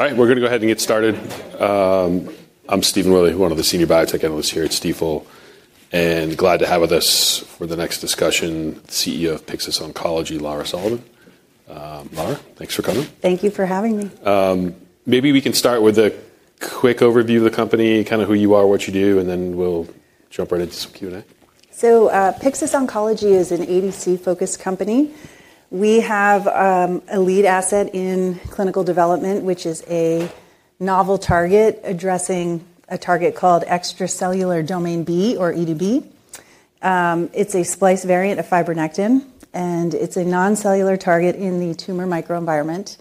All right, we're going to go ahead and get started. I'm Stephen Willey, one of the senior biotech analysts here at Stifel, and glad to have with us for the next discussion the CEO of Pyxis Oncology, Lara Sullivan. Lara, thanks for coming. Thank you for having me. Maybe we can start with a quick overview of the company, kind of who you are, what you do, and then we'll jump right into some Q&A. Pyxis Oncology is an ADC-focused company. We have a lead asset in clinical development, which is a novel target addressing a target called extracellular domain B, or EDB. It's a splice variant of fibronectin, and it's a noncellular target in the tumor microenvironment.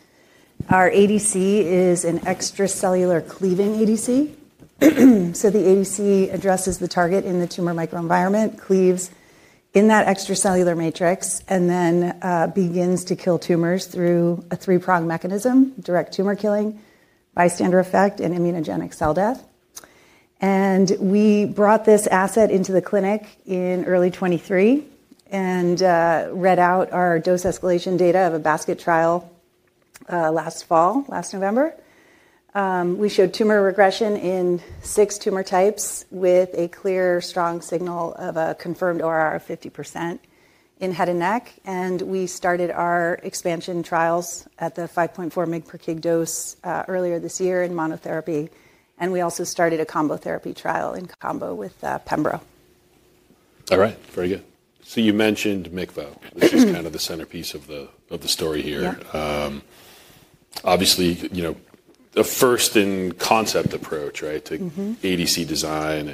Our ADC is an extracellular cleaving ADC. The ADC addresses the target in the tumor microenvironment, cleaves in that extracellular matrix, and then begins to kill tumors through a three-prong mechanism: direct tumor killing, bystander effect, and immunogenic cell death. We brought this asset into the clinic in early 2023 and read out our dose escalation data of a basket trial last fall, last November. We showed tumor regression in six tumor types with a clear, strong signal of a confirmed ORR of 50% in head and neck. We started our expansion trials at the 5.4 mg/kg dose earlier this year in monotherapy. We also started a combo therapy trial in combo with Pembro. All right, very good. You mentioned MICVO, though. This is kind of the centerpiece of the story here. Obviously, the first in concept approach to ADC design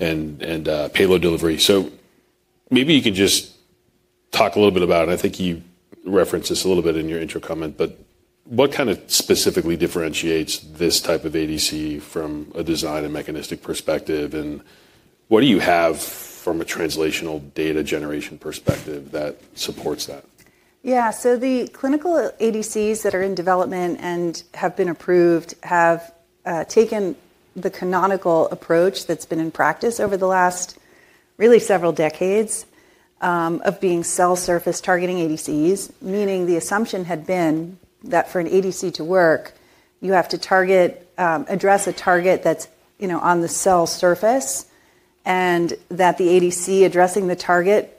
and payload delivery. Maybe you could just talk a little bit about it. I think you referenced this a little bit in your intro comment, but what kind of specifically differentiates this type of ADC from a design and mechanistic perspective? What do you have from a translational data generation perspective that supports that? Yeah, so the clinical ADCs that are in development and have been approved have taken the canonical approach that's been in practice over the last really several decades of being cell surface targeting ADCs, meaning the assumption had been that for an ADC to work, you have to address a target that's on the cell surface and that the ADC addressing the target,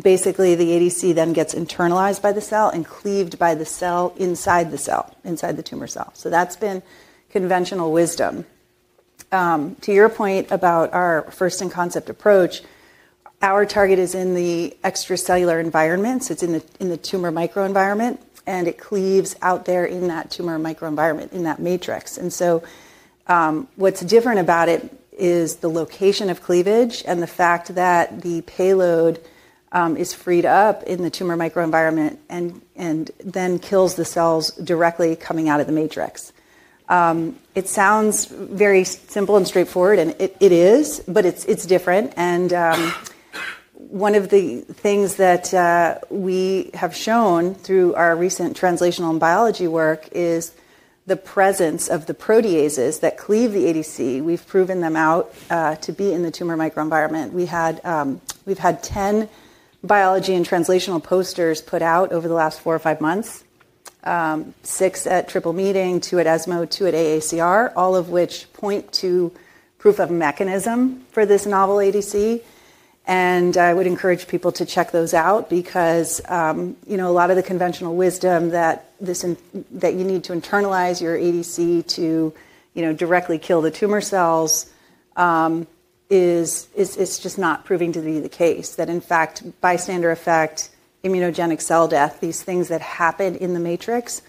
basically the ADC then gets internalized by the cell and cleaved by the cell inside the cell, inside the tumor cell. That's been conventional wisdom. To your point about our first in concept approach, our target is in the extracellular environment. It's in the tumor microenvironment, and it cleaves out there in that tumor microenvironment, in that matrix. What's different about it is the location of cleavage and the fact that the payload is freed up in the tumor microenvironment and then kills the cells directly coming out of the matrix. It sounds very simple and straightforward, and it is, but it's different. One of the things that we have shown through our recent translational biology work is the presence of the proteases that cleave the ADC. We've proven them out to be in the tumor microenvironment. We've had 10 biology and translational posters put out over the last four or five months, six at Triple Meeting, two at ESMO, two at AACR, all of which point to proof of mechanism for this novel ADC. I would encourage people to check those out because a lot of the conventional wisdom that you need to internalize your ADC to directly kill the tumor cells is just not proving to be the case, that in fact, bystander effect, immunogenic cell death, these things that happen in the matrix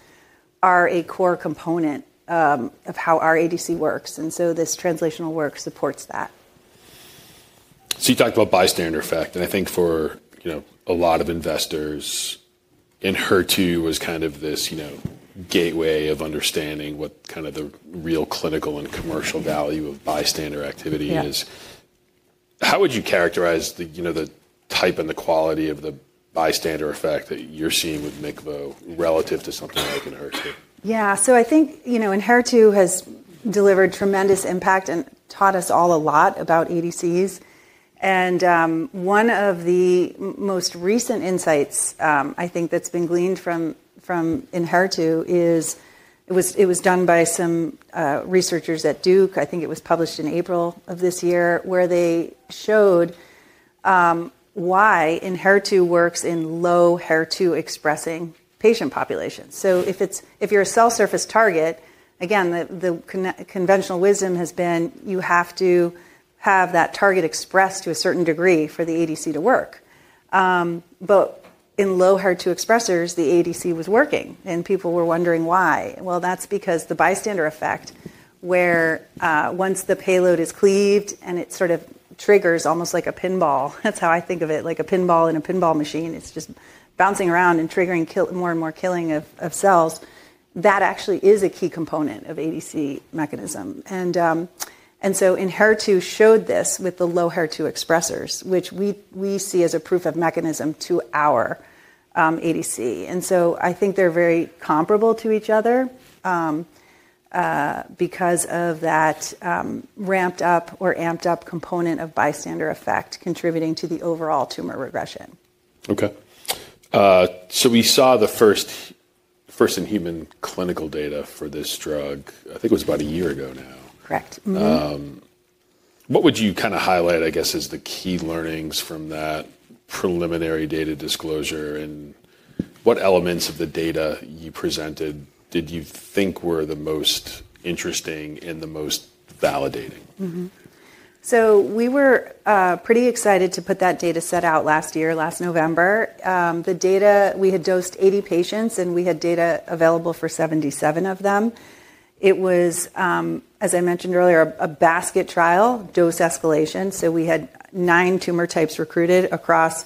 are a core component of how our ADC works. This translational work supports that. You talked about bystander effect, and I think for a lot of investors, ENHERTU was kind of this gateway of understanding what kind of the real clinical and commercial value of bystander activity is. How would you characterize the type and the quality of the bystander effect that you're seeing with MICVO relative to something like ENHERTU? Yeah, so I think ENHERTU has delivered tremendous impact and taught us all a lot about ADCs. One of the most recent insights I think that's been gleaned from ENHERTU is it was done by some researchers at Duke. I think it was published in April of this year where they showed why ENHERTU works in low HER2 expressing patient populations. If you're a cell surface target, again, the conventional wisdom has been you have to have that target expressed to a certain degree for the ADC to work. In low HER2 expressors, the ADC was working, and people were wondering why. That's because of the bystander effect, where once the payload is cleaved and it sort of triggers almost like a pinball, that's how I think of it, like a pinball in a pinball machine. It's just bouncing around and triggering more and more killing of cells. That actually is a key component of ADC mechanism. In HER2 showed this with the low HER2 expressors, which we see as a proof of mechanism to our ADC. I think they're very comparable to each other because of that ramped up or amped up component of bystander effect contributing to the overall tumor regression. Okay. So we saw the first-in-human clinical data for this drug, I think it was about a year ago now. Correct. What would you kind of highlight, I guess, as the key learnings from that preliminary data disclosure? What elements of the data you presented did you think were the most interesting and the most validating? We were pretty excited to put that data set out last year, last November. We had dosed 80 patients, and we had data available for 77 of them. It was, as I mentioned earlier, a basket trial, dose escalation. We had nine tumor types recruited across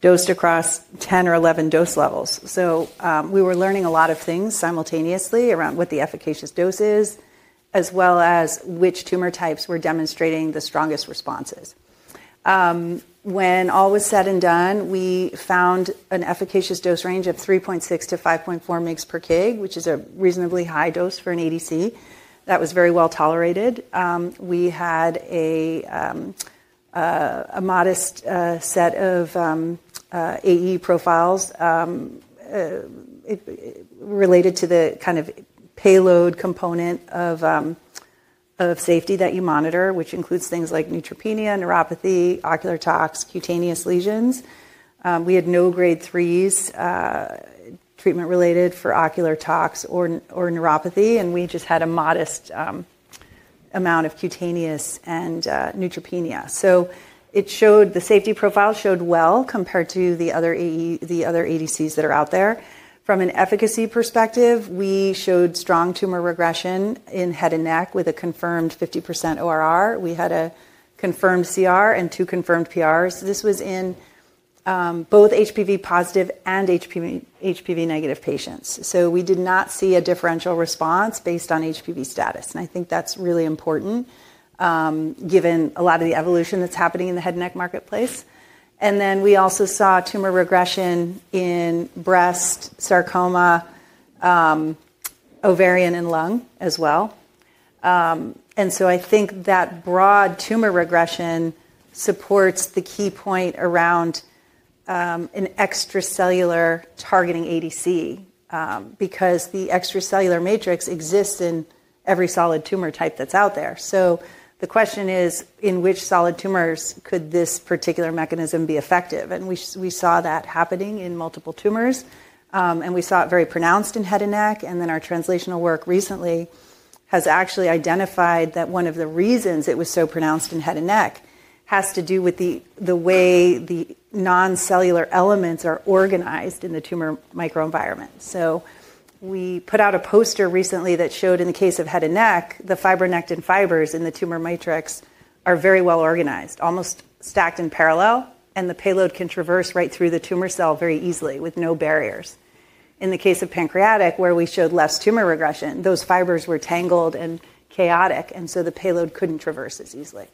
dosed across 10 or 11 dose levels. We were learning a lot of things simultaneously around what the efficacious dose is, as well as which tumor types were demonstrating the strongest responses. When all was said and done, we found an efficacious dose range of 3.6-5.4 mg/kg, which is a reasonably high dose for an ADC. That was very well tolerated. We had a modest set of AE profiles related to the kind of payload component of safety that you monitor, which includes things like neutropenia, neuropathy, ocular tox, cutaneous lesions. We had no Grade 3s treatment related for ocular toxicity or neuropathy, and we just had a modest amount of cutaneous and neutropenia. The safety profile showed well compared to the other ADCs that are out there. From an efficacy perspective, we showed strong tumor regression in head and neck with a confirmed 50% ORR. We had a confirmed CR and two confirmed PRs. This was in both HPV positive and HPV negative patients. We did not see a differential response based on HPV status. I think that's really important given a lot of the evolution that's happening in the head and neck marketplace. We also saw tumor regression in breast, sarcoma, ovarian, and lung as well. I think that broad tumor regression supports the key point around an extracellular targeting ADC because the extracellular matrix exists in every solid tumor type that's out there. The question is, in which solid tumors could this particular mechanism be effective? We saw that happening in multiple tumors, and we saw it very pronounced in head and neck. Our translational work recently has actually identified that one of the reasons it was so pronounced in head and neck has to do with the way the noncellular elements are organized in the tumor microenvironment. We put out a poster recently that showed in the case of head and neck, the fibronectin fibers in the tumor matrix are very well organized, almost stacked in parallel, and the payload can traverse right through the tumor cell very easily with no barriers. In the case of pancreatic, where we showed less tumor regression, those fibers were tangled and chaotic, and so the payload couldn't traverse as easily.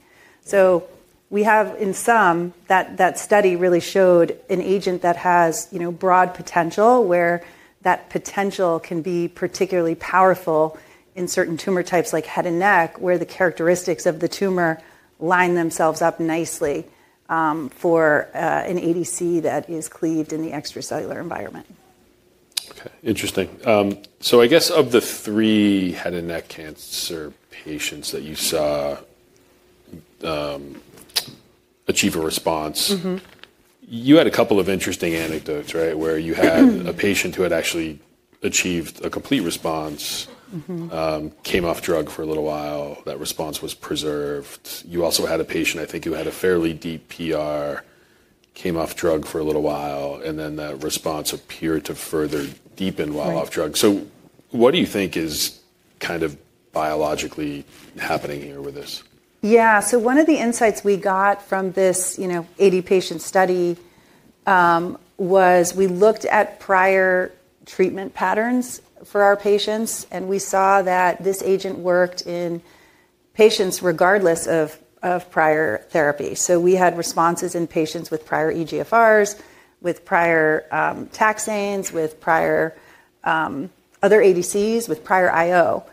We have in some that study really showed an agent that has broad potential where that potential can be particularly powerful in certain tumor types like head and neck, where the characteristics of the tumor line themselves up nicely for an ADC that is cleaved in the extracellular environment. Okay, interesting. I guess of the three head and neck cancer patients that you saw achieve a response, you had a couple of interesting anecdotes, right, where you had a patient who had actually achieved a complete response, came off drug for a little while, that response was preserved. You also had a patient, I think, who had a fairly deep PR, came off drug for a little while, and then that response appeared to further deepen while off drug. What do you think is kind of biologically happening here with this? Yeah, so one of the insights we got from this 80-patient study was we looked at prior treatment patterns for our patients, and we saw that this agent worked in patients regardless of prior therapy. We had responses in patients with prior eGFRs, with prior taxanes, with prior other ADCs, with prior IO.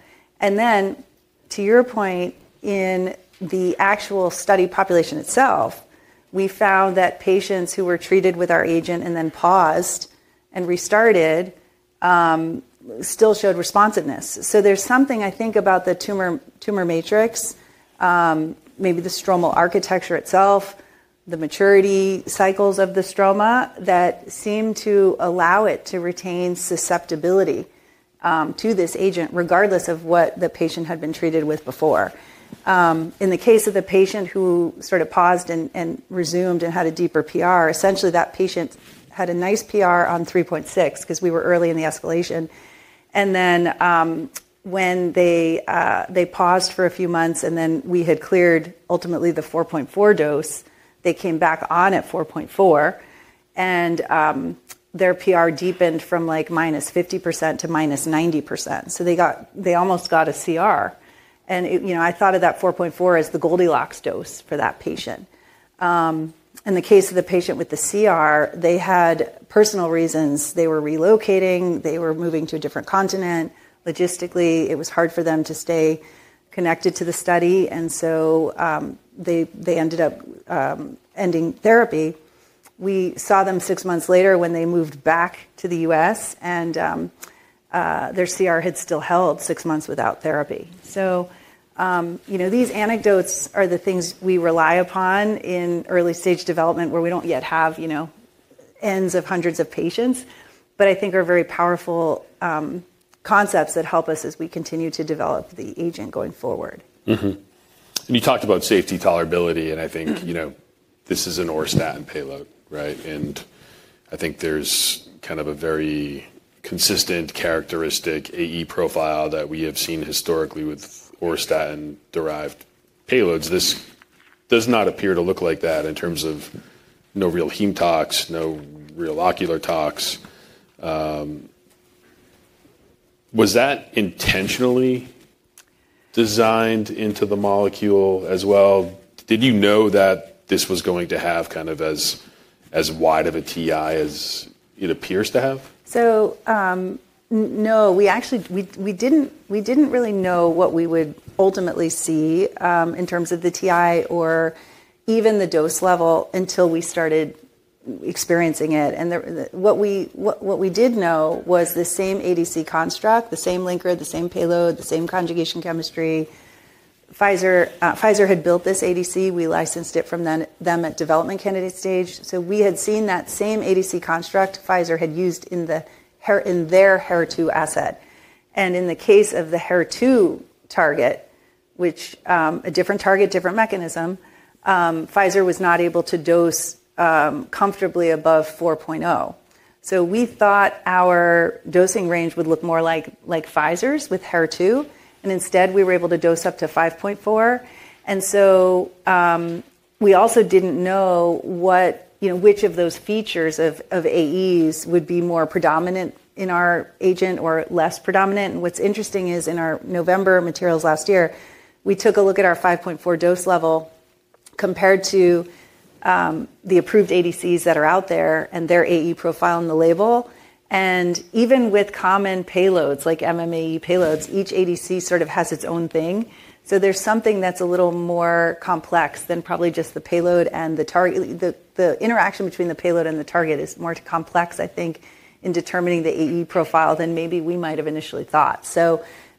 To your point, in the actual study population itself, we found that patients who were treated with our agent and then paused and restarted still showed responsiveness. There is something, I think, about the tumor matrix, maybe the stromal architecture itself, the maturity cycles of the stroma, that seem to allow it to retain susceptibility to this agent regardless of what the patient had been treated with before. In the case of the patient who sort of paused and resumed and had a deeper PR, essentially that patient had a nice PR on 3.6 because we were early in the escalation. When they paused for a few months and then we had cleared ultimately the 4.4 dose, they came back on at 4.4, and their PR deepened from like -50% to -90%. They almost got a CR. I thought of that 4.4 as the Goldilocks dose for that patient. In the case of the patient with the CR, they had personal reasons. They were relocating. They were moving to a different continent. Logistically, it was hard for them to stay connected to the study, and so they ended up ending therapy. We saw them six months later when they moved back to the U.S., and their CR had still held six months without therapy. These anecdotes are the things we rely upon in early stage development where we do not yet have ends of hundreds of patients, but I think are very powerful concepts that help us as we continue to develop the agent going forward. You talked about safety tolerability, and I think this is an auristatin payload, right? I think there is kind of a very consistent characteristic AE profile that we have seen historically with auristatin-derived payloads. This does not appear to look like that in terms of no real heme tox, no real ocular tox. Was that intentionally designed into the molecule as well? Did you know that this was going to have kind of as wide of a TI as it appears to have? No, we didn't really know what we would ultimately see in terms of the TI or even the dose level until we started experiencing it. What we did know was the same ADC construct, the same linker, the same payload, the same conjugation chemistry. Pfizer had built this ADC. We licensed it from them at development candidate stage. We had seen that same ADC construct Pfizer had used in their HER2 asset. In the case of the HER2 target, which is a different target, different mechanism, Pfizer was not able to dose comfortably above 4.0. We thought our dosing range would look more like Pfizer's with HER2, and instead we were able to dose up to 5.4. We also didn't know which of those features of AEs would be more predominant in our agent or less predominant. What's interesting is in our November materials last year, we took a look at our 5.4 dose level compared to the approved ADCs that are out there and their AE profile on the label. Even with common payloads like MMAE payloads, each ADC sort of has its own thing. There is something that's a little more complex than probably just the payload and the target. The interaction between the payload and the target is more complex, I think, in determining the AE profile than maybe we might have initially thought.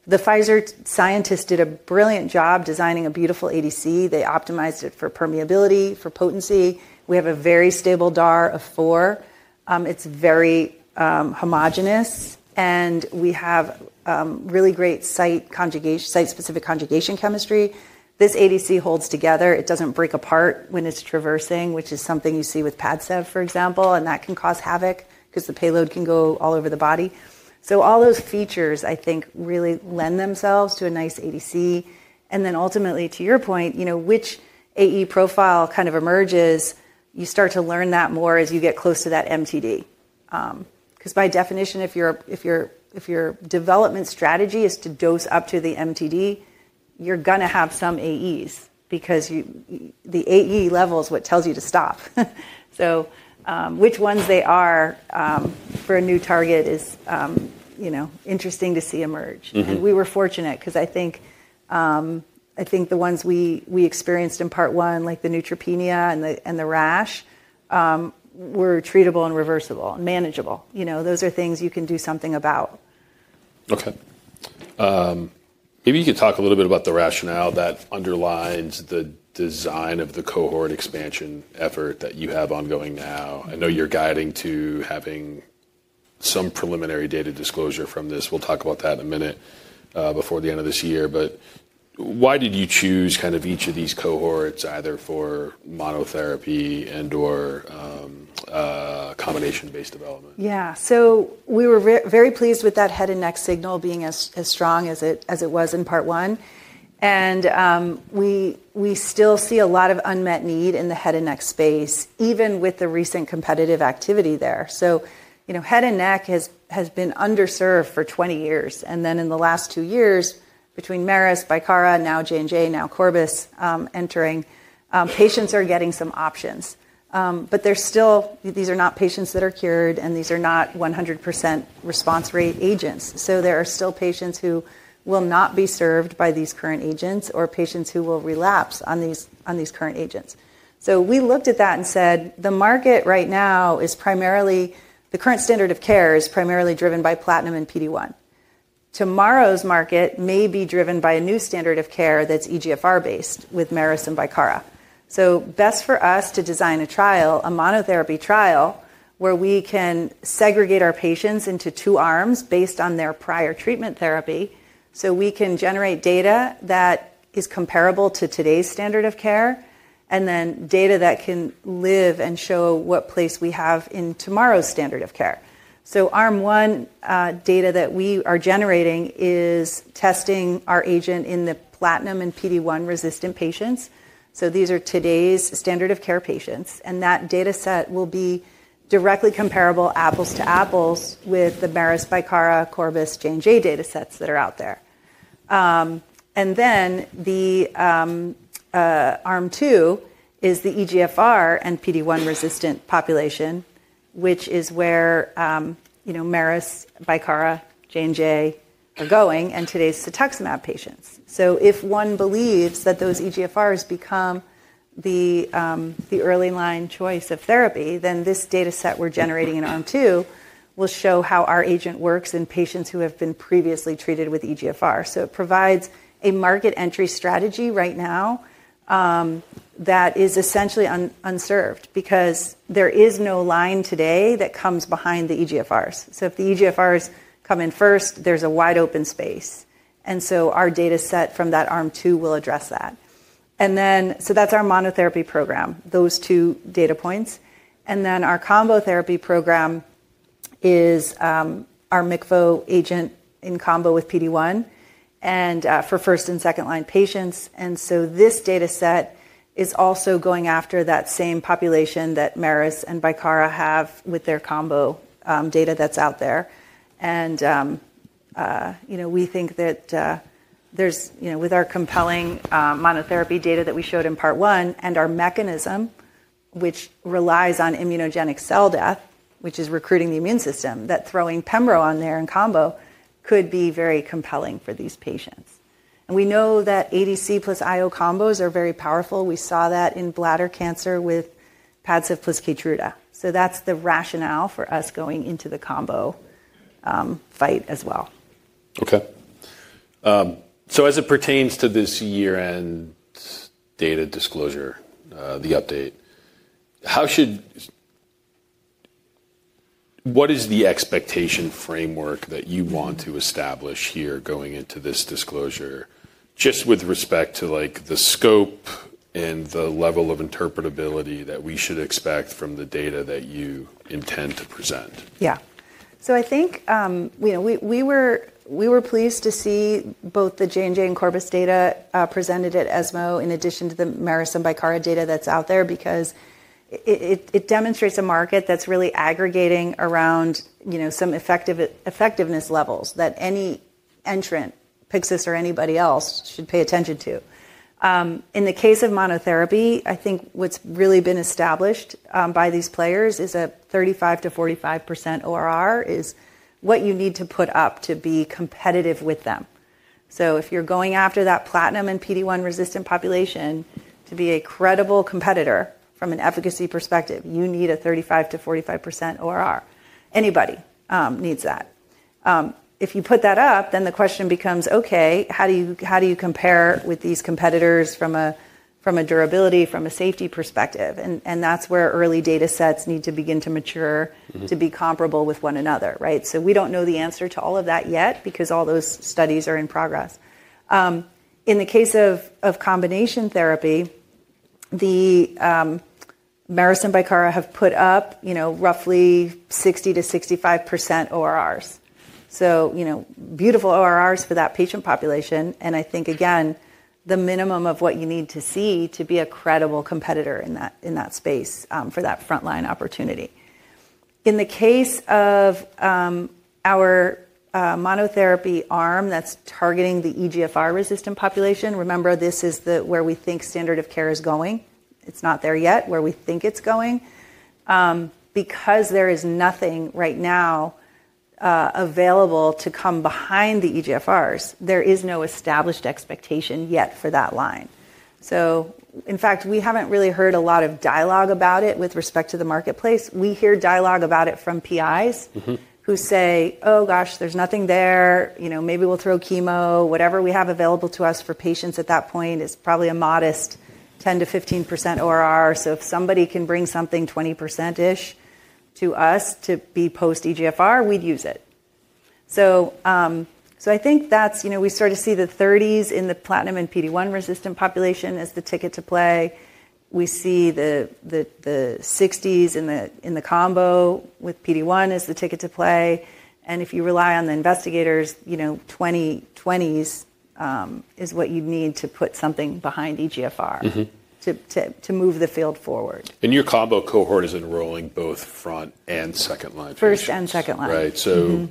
The Pfizer scientists did a brilliant job designing a beautiful ADC. They optimized it for permeability, for potency. We have a very stable DAR of 4. It's very homogenous, and we have really great site-specific conjugation chemistry. This ADC holds together. It does not break apart when it is traversing, which is something you see with Padcev, for example, and that can cause havoc because the payload can go all over the body. All those features, I think, really lend themselves to a nice ADC. Ultimately, to your point, which AE profile kind of emerges, you start to learn that more as you get close to that MTD. Because by definition, if your development strategy is to dose up to the MTD, you are going to have some AEs because the AE level is what tells you to stop. Which ones they are for a new target is interesting to see emerge. We were fortunate because I think the ones we experienced in part one, like the neutropenia and the rash, were treatable and reversible and manageable. Those are things you can do something about. Okay. Maybe you could talk a little bit about the rationale that underlines the design of the cohort expansion effort that you have ongoing now. I know you're guiding to having some preliminary data disclosure from this. We'll talk about that in a minute before the end of this year. Why did you choose kind of each of these cohorts, either for monotherapy and/or combination-based development? Yeah. So we were very pleased with that head and neck signal being as strong as it was in part one. We still see a lot of unmet need in the head and neck space, even with the recent competitive activity there. Head and neck has been underserved for 20 years. In the last two years, between Merus, Bicara, now Johnson & Johnson, now Corbus entering, patients are getting some options. These are not patients that are cured, and these are not 100% response rate agents. There are still patients who will not be served by these current agents or patients who will relapse on these current agents. We looked at that and said, the market right now is primarily the current standard of care is primarily driven by platinum and PD-1. Tomorrow's market may be driven by a new standard of care that's eGFR-based with Merus and Bicara. Best for us to design a trial, a monotherapy trial, where we can segregate our patients into two arms based on their prior treatment therapy. We can generate data that is comparable to today's standard of care and then data that can live and show what place we have in tomorrow's standard of care. Arm one data that we are generating is testing our agent in the platinum and PD-1 resistant patients. These are today's standard of care patients. That data set will be directly comparable apples to apples with the Merus, Bicara, Corbus, J&J data sets that are out there. Arm two is the eGFR and PD-1 resistant population, which is where Merus, Bicara, J&J are going, and today's Cetuximab patients. If one believes that those eGFRs become the early line choice of therapy, then this data set we're generating in arm two will show how our agent works in patients who have been previously treated with eGFR. It provides a market entry strategy right now that is essentially unserved because there is no line today that comes behind the eGFRs. If the eGFRs come in first, there's a wide open space. Our data set from that arm two will address that. That's our monotherapy program, those two data points. Our combo therapy program is our MICVO agent in combo with PD-1 and for first and second line patients. This data set is also going after that same population that Merus and Bicara have with their combo data that's out there. We think that with our compelling monotherapy data that we showed in part one and our mechanism, which relies on immunogenic cell death, which is recruiting the immune system, that throwing Pembro on there in combo could be very compelling for these patients. We know that ADC plus IO combos are very powerful. We saw that in bladder cancer with Padcev plus Keytruda. That is the rationale for us going into the combo fight as well. Okay. As it pertains to this year-end data disclosure, the update, what is the expectation framework that you want to establish here going into this disclosure just with respect to the scope and the level of interpretability that we should expect from the data that you intend to present? Yeah. I think we were pleased to see both the J&J and Corbus data presented at ESMO in addition to the Merus and Bicara data that's out there because it demonstrates a market that's really aggregating around some effectiveness levels that any entrant, Pyxis or anybody else, should pay attention to. In the case of monotherapy, I think what's really been established by these players is a 35%-45% ORR is what you need to put up to be competitive with them. If you're going after that platinum and PD-1 resistant population to be a credible competitor from an efficacy perspective, you need a 35%-45% ORR. Anybody needs that. If you put that up, then the question becomes, okay, how do you compare with these competitors from a durability, from a safety perspective? That is where early data sets need to begin to mature to be comparable with one another, right? We do not know the answer to all of that yet because all those studies are in progress. In the case of combination therapy, the Merus and Bicara have put up roughly 60%-65% ORRs. Beautiful ORRs for that patient population. I think, again, the minimum of what you need to see to be a credible competitor in that space for that frontline opportunity. In the case of our monotherapy arm that is targeting the eGFR-resistant population, remember, this is where we think standard of care is going. It is not there yet where we think it is going. Because there is nothing right now available to come behind the eGFRs, there is no established expectation yet for that line. In fact, we haven't really heard a lot of dialogue about it with respect to the marketplace. We hear dialogue about it from PIs who say, "Oh gosh, there's nothing there. Maybe we'll throw chemo." Whatever we have available to us for patients at that point is probably a modest 10%-15% ORR. If somebody can bring something 20%-ish to us to be post-eGFR, we'd use it. I think that's we sort of see the 30s in the platinum and PD-1 resistant population as the ticket to play. We see the 60s in the combo with PD-1 as the ticket to play. If you rely on the investigators, 20-20s is what you'd need to put something behind eGFR to move the field forward. Your combo cohort is enrolling both front and second line patients. First and second line. Right. So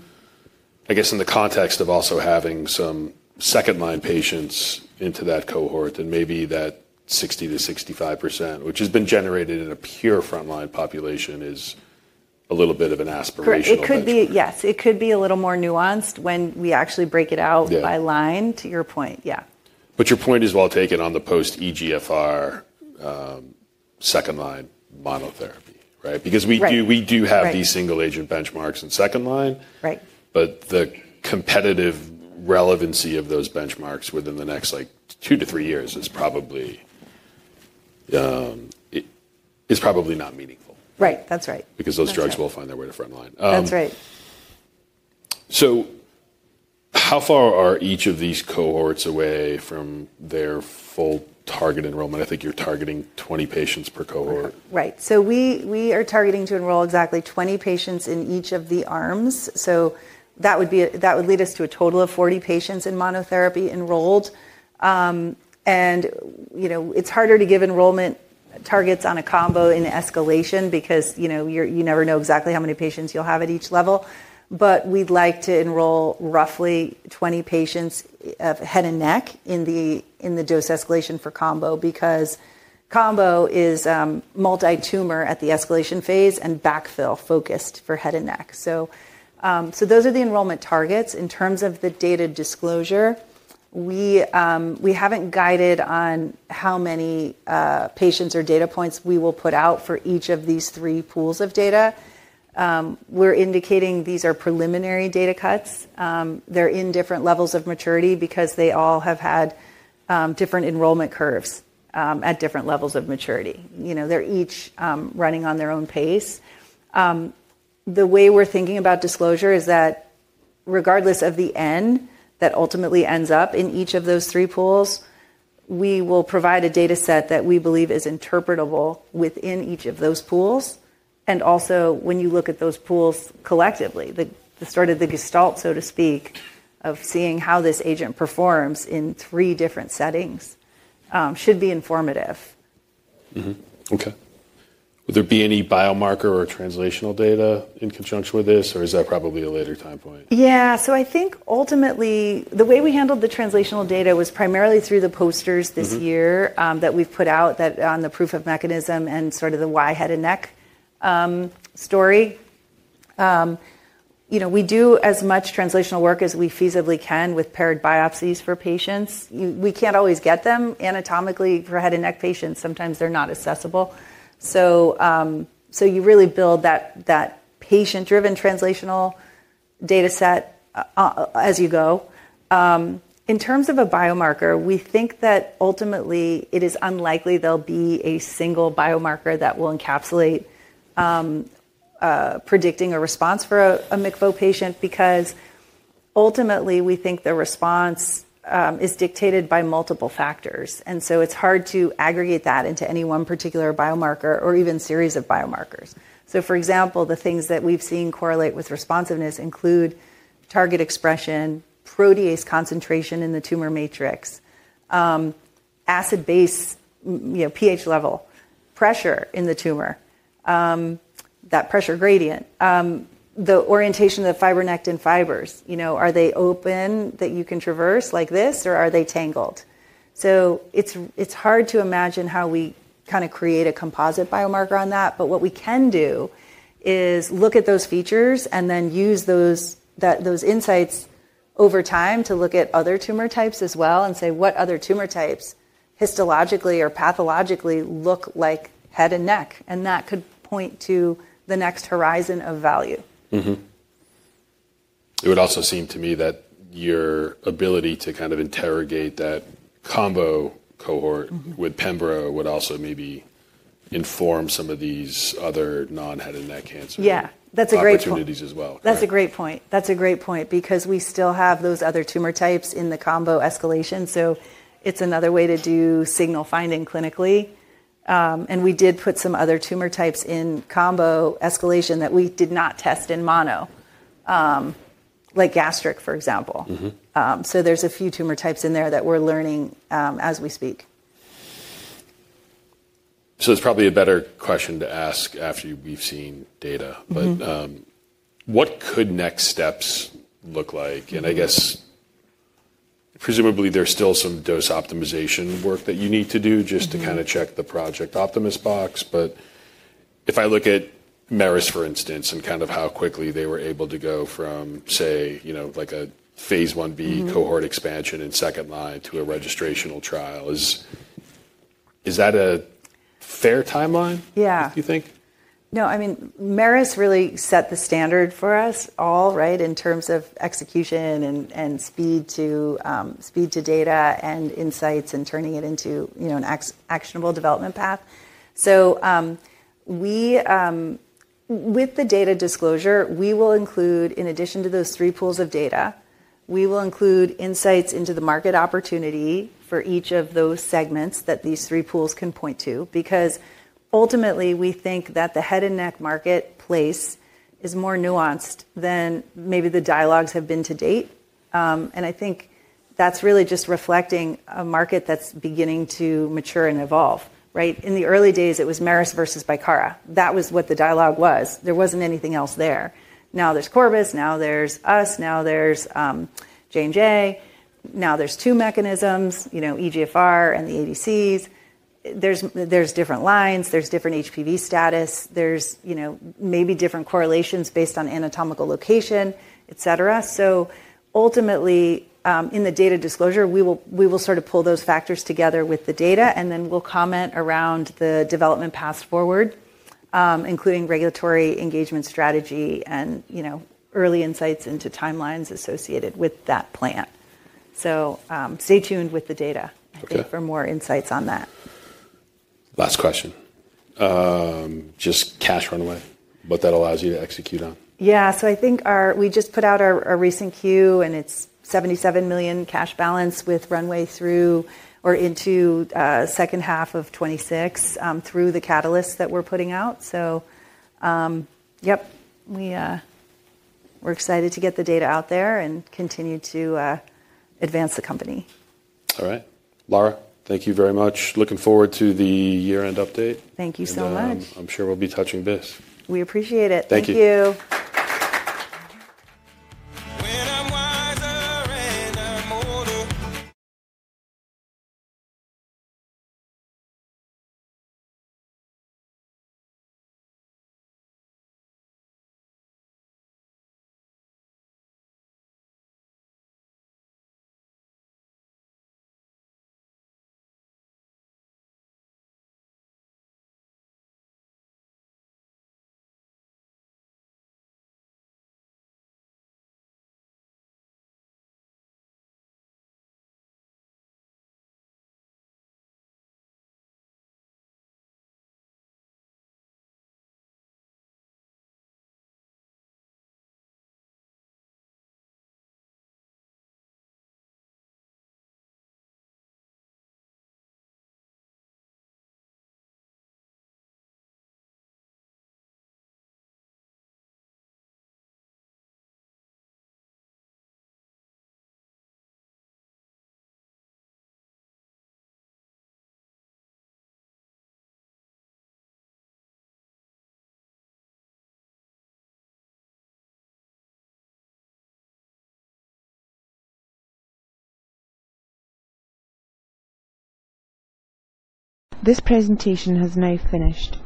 I guess in the context of also having some second line patients into that cohort, then maybe that 60%-65%, which has been generated in a pure frontline population, is a little bit of an aspirational target. Yes. It could be a little more nuanced when we actually break it out by line to your point. Yeah. Your point is well taken on the post-eGFR second line monotherapy, right? Because we do have these single agent benchmarks in second line, but the competitive relevancy of those benchmarks within the next two to three years is probably not meaningful. Right. That's right. Because those drugs will find their way to frontline. That's right. How far are each of these cohorts away from their full target enrollment? I think you're targeting 20 patients per cohort. Right. We are targeting to enroll exactly 20 patients in each of the arms. That would lead us to a total of 40 patients in monotherapy enrolled. It is harder to give enrollment targets on a combo in escalation because you never know exactly how many patients you will have at each level. We would like to enroll roughly 20 patients of head and neck in the dose escalation for combo because combo is multi-tumor at the escalation phase and backfill focused for head and neck. Those are the enrollment targets. In terms of the data disclosure, we have not guided on how many patients or data points we will put out for each of these three pools of data. We are indicating these are preliminary data cuts. They are in different levels of maturity because they all have had different enrollment curves at different levels of maturity. They're each running on their own pace. The way we're thinking about disclosure is that regardless of the end that ultimately ends up in each of those three pools, we will provide a data set that we believe is interpretable within each of those pools. Also, when you look at those pools collectively, the start of the gestalt, so to speak, of seeing how this agent performs in three different settings should be informative. Okay. Will there be any biomarker or translational data in conjunction with this, or is that probably a later time point? Yeah. I think ultimately, the way we handled the translational data was primarily through the posters this year that we've put out on the proof of mechanism and sort of the why head and neck story. We do as much translational work as we feasibly can with paired biopsies for patients. We can't always get them anatomically for head and neck patients. Sometimes they're not accessible. You really build that patient-driven translational data set as you go. In terms of a biomarker, we think that ultimately it is unlikely there'll be a single biomarker that will encapsulate predicting a response for a MICVO patient because ultimately we think the response is dictated by multiple factors. It's hard to aggregate that into any one particular biomarker or even series of biomarkers. For example, the things that we've seen correlate with responsiveness include target expression, protease concentration in the tumor matrix, acid-base, pH level, pressure in the tumor, that pressure gradient, the orientation of the fibronectin fibers. Are they open that you can traverse like this, or are they tangled? It's hard to imagine how we kind of create a composite biomarker on that. What we can do is look at those features and then use those insights over time to look at other tumor types as well and say, "What other tumor types histologically or pathologically look like head and neck?" That could point to the next horizon of value. It would also seem to me that your ability to kind of interrogate that combo cohort with Keytruda would also maybe inform some of these other non-head and neck cancer opportunities as well. Yeah. That's a great point. That's a great point because we still have those other tumor types in the combo escalation. It is another way to do signal finding clinically. We did put some other tumor types in combo escalation that we did not test in mono, like gastric, for example. There are a few tumor types in there that we're learning as we speak. It's probably a better question to ask after we've seen data. What could next steps look like? I guess presumably there's still some dose optimization work that you need to do just to kind of check the Project Optimus box. If I look at Merus, for instance, and kind of how quickly they were able to go from, say, like a phase 1B cohort expansion in second line to a registrational trial, is that a fair timeline, do you think? Yeah. No. I mean, Merus really set the standard for us all, right, in terms of execution and speed to data and insights and turning it into an actionable development path. With the data disclosure, we will include, in addition to those three pools of data, insights into the market opportunity for each of those segments that these three pools can point to because ultimately we think that the head and neck marketplace is more nuanced than maybe the dialogues have been to date. I think that's really just reflecting a market that's beginning to mature and evolve, right? In the early days, it was Merus versus Bicara. That was what the dialogue was. There was not anything else there. Now there's Corbus. Now there's us. Now there's Johnson & Johnson. Now there's two mechanisms, eGFR and the ADCs. There's different lines. There's different HPV status. There's maybe different correlations based on anatomical location, etc. Ultimately in the data disclosure, we will sort of pull those factors together with the data, and then we'll comment around the development path forward, including regulatory engagement strategy and early insights into timelines associated with that plan. Stay tuned with the data for more insights on that. Last question. Just cash runway, what that allows you to execute on. Yeah. I think we just put out our recent Q, and it's $77 million cash balance with runway through or into second half of 2026 through the catalysts that we're putting out. Yep, we're excited to get the data out there and continue to advance the company. All right. Lara, thank you very much. Looking forward to the year-end update. Thank you so much. I'm sure we'll be touching base. We appreciate it. Thank you. Thank you. [audio disruption]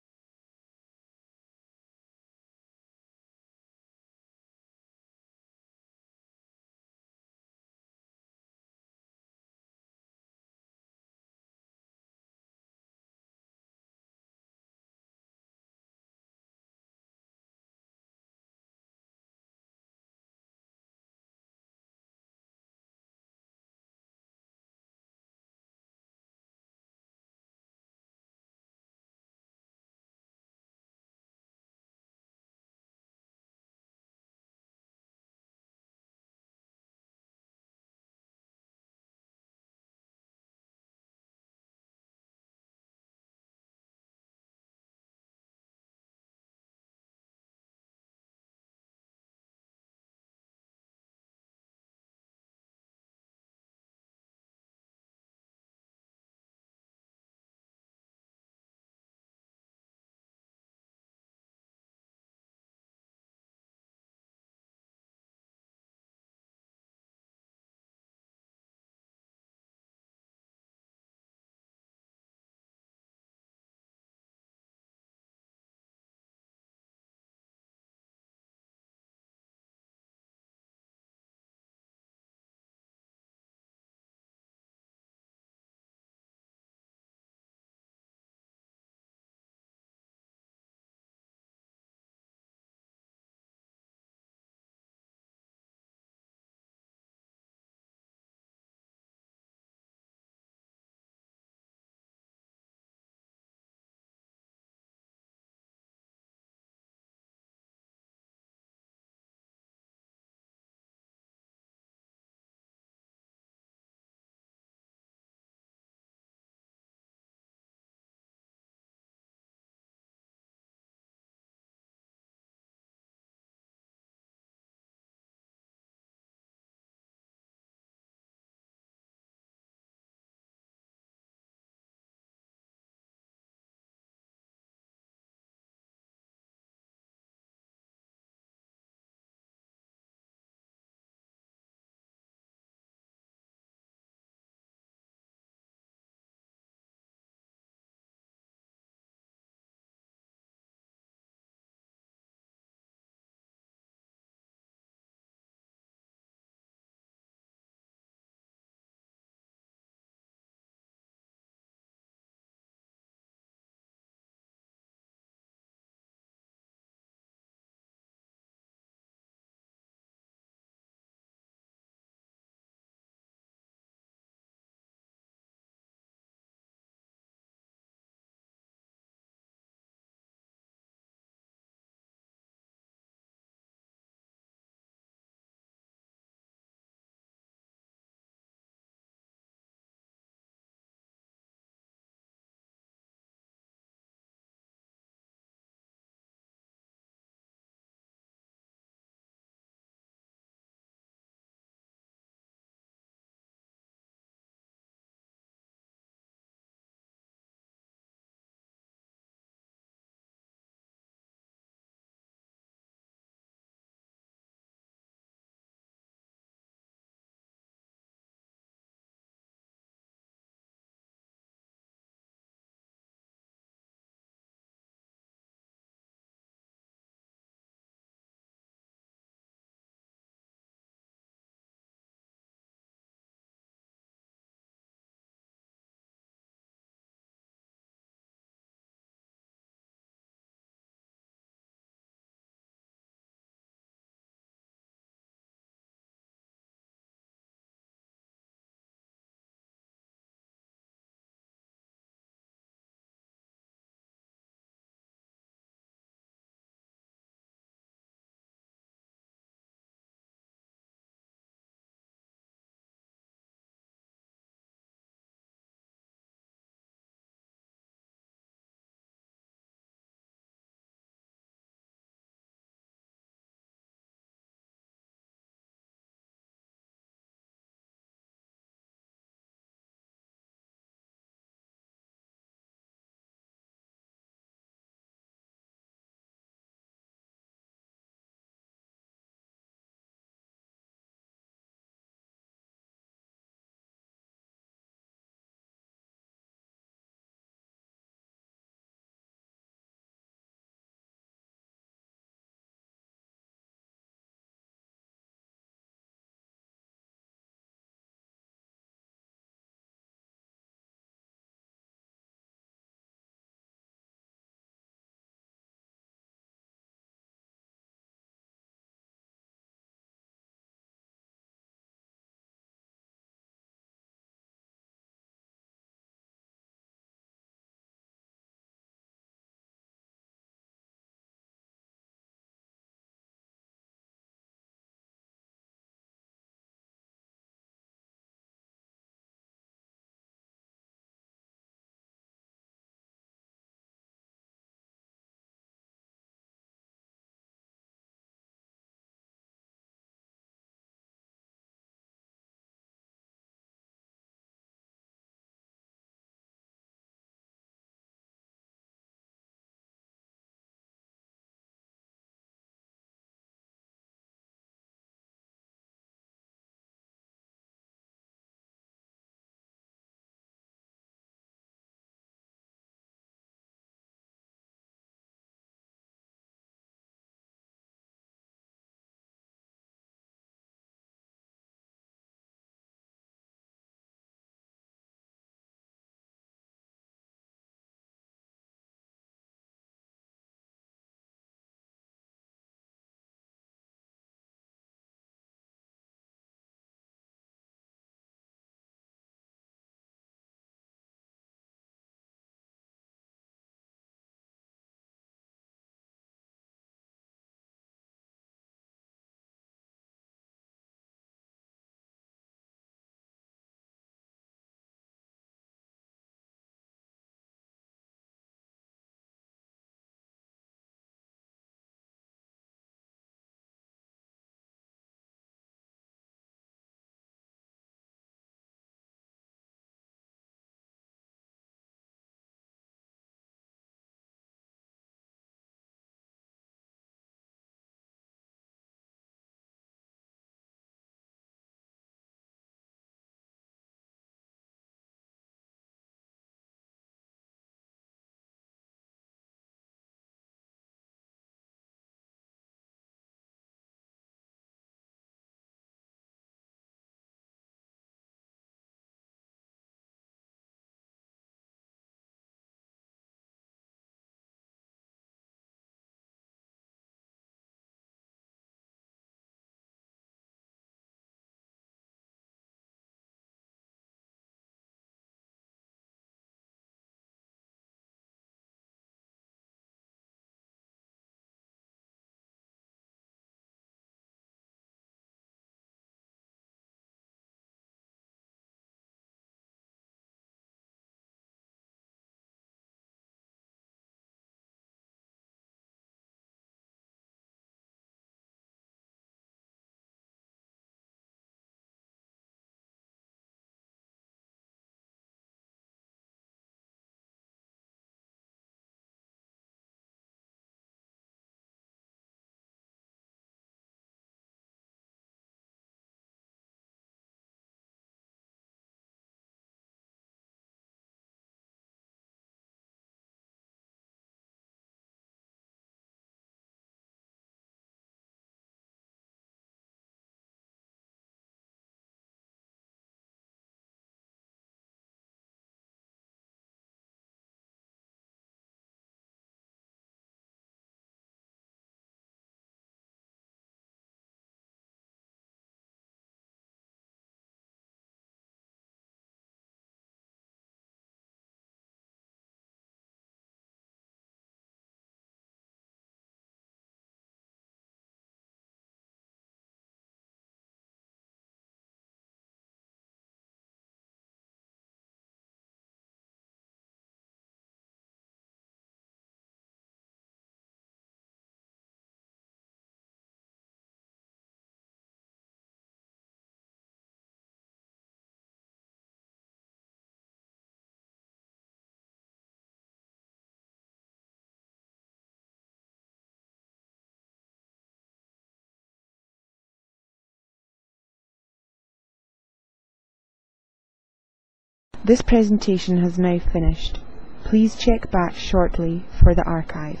This presentation has now finished. Please check back shortly for the archive.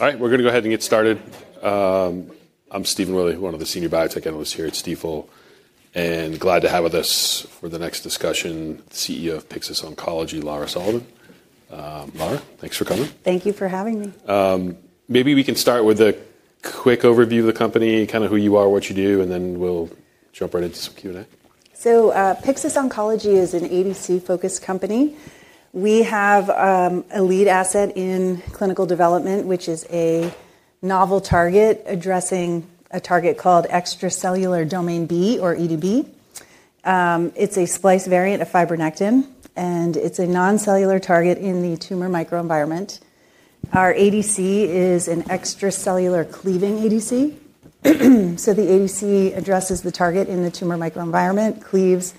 All right, we're going to go ahead and get started. I'm Stephen Willey, one of the senior biotech analysts here at Stifel, and glad to have with us for the next discussion the CEO of Pyxis Oncology, Lara Sullivan. Lara, thanks for coming. Thank you for having me. Maybe we can start with a quick overview of the company, kind of who you are, what you do, and then we'll jump right into some Q&A. Pyxis Oncology is an ADC-focused company. We have a lead asset in clinical development, which is a novel target addressing a target called extracellular domain B, or EDB. It's a splice variant of fibronectin, and it's a noncellular target in the tumor microenvironment. Our ADC is an extracellular cleaving ADC. The ADC addresses the target in the tumor microenvironment, cleaves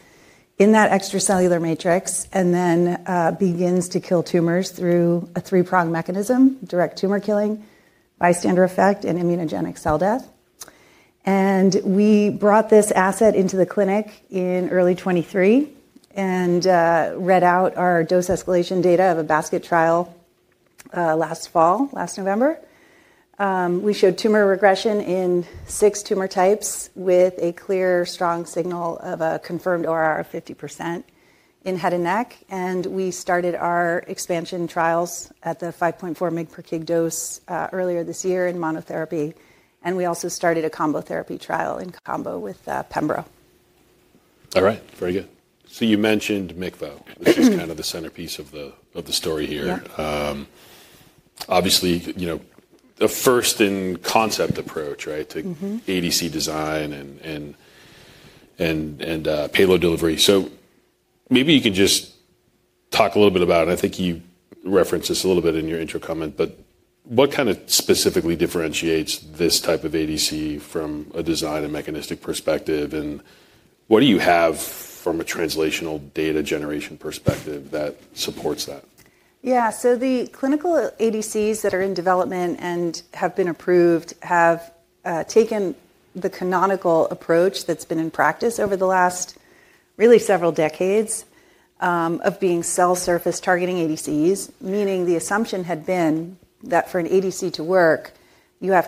in that extracellular matrix, and then begins to kill tumors through a three-prong mechanism: direct tumor killing, bystander effect, and immunogenic cell death. We brought this asset into the clinic in early 2023 and read out our dose escalation data of a basket trial last fall, last November. We showed tumor regression in six tumor types with a clear, strong signal of a confirmed ORR of 50% in head and neck. We started our expansion trials at the 5.4 mg/kg dose earlier this year in monotherapy. We also started a combo therapy trial in combo with Pembro. All right, very good. You mentioned MICVO, though. It's just kind of the centerpiece of the story here. Obviously, the first in concept approach to ADC design and payload delivery. Maybe you can just talk a little bit about it. I think you referenced this a little bit in your intro comment, but what kind of specifically differentiates this type of ADC from a design and mechanistic perspective? What do you have from a translational data generation perspective that supports that? Yeah, so the clinical ADCs that are in development and have been approved have taken the canonical approach that's been in practice over the last really several decades of being cell surface targeting ADCs, meaning the assumption had been that for an ADC to work, you have to.